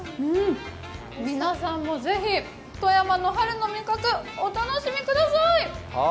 皆さんもぜひ、富山の春の味覚、お楽しみください！